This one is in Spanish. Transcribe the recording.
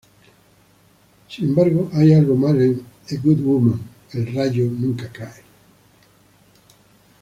Sin embargo, hay algo mal en "A Good Woman": El rayo nunca cae.